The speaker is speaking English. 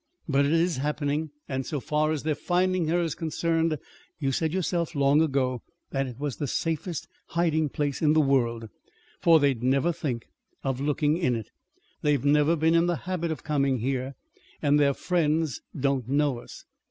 "But it is happening; and so far as their finding her is concerned, you said yourself, long ago, that it was the safest hiding place in the world, for they'd never think of looking in it. They've never been in the habit of coming here, and their friends don't know us.